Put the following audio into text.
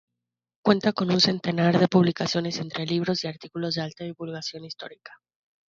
Cuenta con un centenar de publicaciones entre libros y artículos de alta divulgación histórica.